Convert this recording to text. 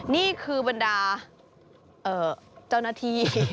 นี่คือบรรดาเจ้านาธี